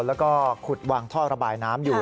แล้วก็ขุดวางท่อระบายน้ำอยู่